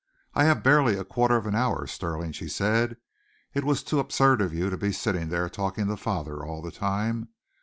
"I have barely a quarter of an hour, Stirling," she said. "It was too absurd of you to be sitting there talking to father all the time.